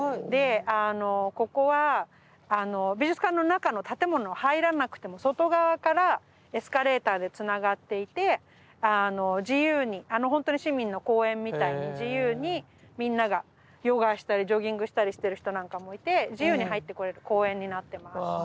であのここは美術館の中の建物入らなくても外側からエスカレーターでつながっていて自由にあのほんとに市民の公園みたいに自由にみんながヨガしたりジョギングしたりしてる人なんかもいて自由に入ってこれる公園になってます。